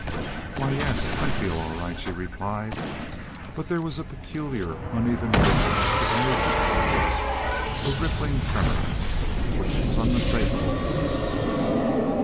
"Why, yes, I feel all right," she replied, but there was a peculiar uneven motion to the movement of her lips—a rippling tremor which was unmistakable to him.